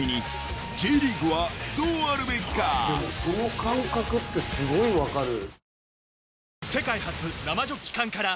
その感覚ってすごい分かる。